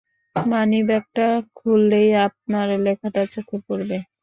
মানিব্যাগটা খুললেই আপনার লেখাটা চোখে পড়বে।